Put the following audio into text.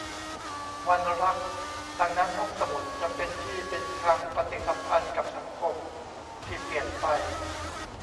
วันรัก : ดังนั้น ห้องสมุดจะเป็นที่เป็นคลังปฏิสัมพันธ์กับสังคมที่เปลี่ยนไป